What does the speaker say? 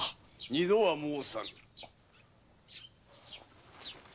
二度は申さぬ。